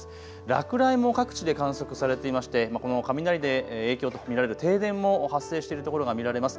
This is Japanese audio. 落雷も各地で観測されていましてこの雷で影響と見られる停電も発生している所が見られます。